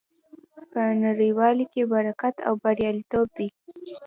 په یووالي کې برکت او بریالیتوب دی.